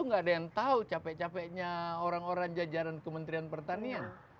nggak ada yang tahu capek capeknya orang orang jajaran kementerian pertanian